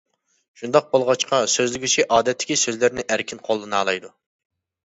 شۇنداق بولغاچقا، سۆزلىگۈچى ئادەتتىكى سۆزلەرنى ئەركىن قوللىنالايدۇ.